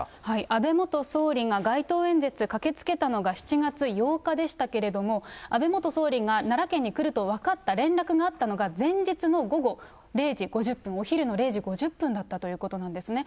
安倍元総理が街頭演説、駆けつけたのが７月８日でしたけれども、安倍元総理が奈良県に来ると分かった、前日の午後０時５０分、お昼の０時５０分だったということなんですね。